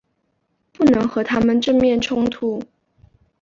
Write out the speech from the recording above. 不能和他们正面冲突